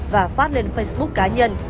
và phát lên facebook cá nhân